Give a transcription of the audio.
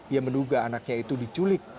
ia menduga anaknya itu diculik